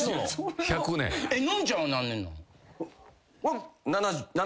のんちゃんは何年なの？